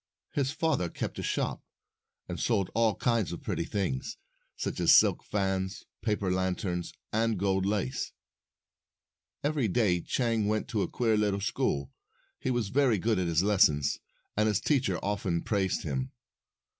His father kept a shop, and sold all kinds of pretty things, such as silk fans, paper lanterns, and gold lace. Every day Chang went to a queer little school. He was very good at his lessons, and his teacher often praised him.